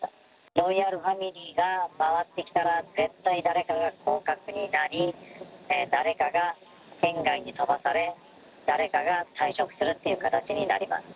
ロイヤルファミリーが回ってきたら、絶対誰かが降格になり、誰かが県外に飛ばされ、誰かが退職するっていう形になります。